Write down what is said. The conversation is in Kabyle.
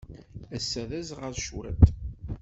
Ass-a, d aẓɣal cwiṭ.